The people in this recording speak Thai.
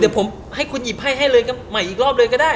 เดี๋ยวผมให้คุณหยิบให้ให้เลยใหม่อีกรอบเลยก็ได้